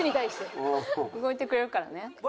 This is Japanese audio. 動いてくれるからね。